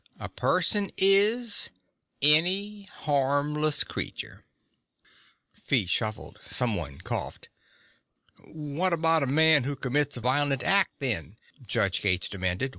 "A person is ... any harmless creature...." Feet shuffled. Someone coughed. "What about a man who commits a violent act, then?" Judge Gates demanded.